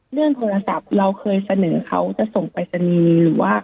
เรื่องโทรศัพท์เราเคยเสนอเขาจะส่งปรายศนีย์หรือว่า